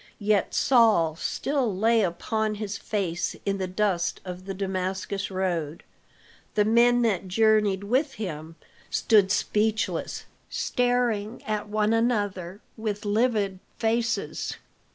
Yet Saul still lay upon his face in the dust of the Damascus road. The men that journeyed with him stood speechless, staring at one another with livid faces.